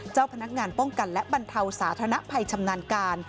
เจ้าพนักงานป้องกันและบรรเทาสาธารณภัยชำนาญการ